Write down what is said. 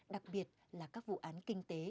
đặc biệt là các vụ án kinh tế